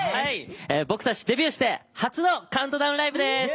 僕たちデビューして初のカウントダウンライブです。